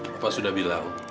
bapak sudah bilang